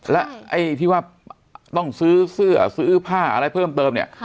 และไอ้ที่ว่าต้องซื้อเสื้อซื้อผ้าอะไรเพิ่มเติมเนี่ย